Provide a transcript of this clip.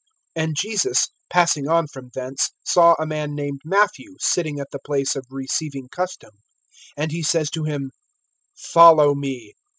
(9)And Jesus, passing on from thence, saw a man named Matthew, sitting at the place of receiving custom; and he says to him: Follow me.